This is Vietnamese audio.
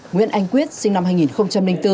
nguyễn anh quyết sinh năm hai nghìn một